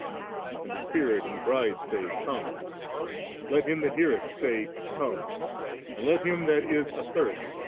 And the Spirit and the Bride say, Come ; and let him that hearethsay, Come ; and let him that is athirst.